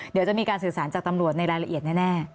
เดี๋ยวจะมีการสื่อสารจากตำรวจในรายละเอียดแน่